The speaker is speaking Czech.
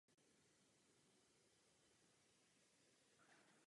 Od počátku měla zdejší zástavba charakter rozptýlených usedlostí.